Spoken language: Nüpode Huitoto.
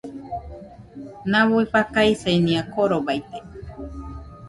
Nau fakaisenia korobaite